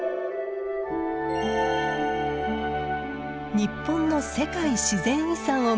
日本の世界自然遺産を巡る旅。